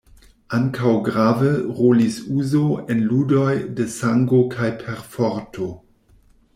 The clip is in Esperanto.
Ankaŭ grave rolis uzo en ludoj de sango kaj perforto.